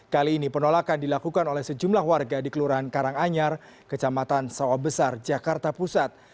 kali ini penolakan dilakukan oleh sejumlah warga di kelurahan karanganyar kecamatan sawah besar jakarta pusat